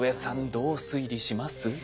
どう推理します？